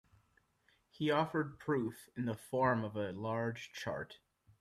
He offered proof in the form of a large chart.